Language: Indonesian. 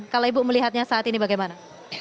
kalau ibu melihatnya saat ini bagaimana